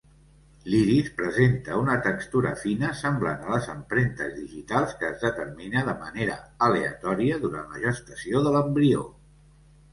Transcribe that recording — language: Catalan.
L'iris presenta una textura fina semblant a les empremtes digitals que es determina de manera aleatòria durant la gestació de l'embrió.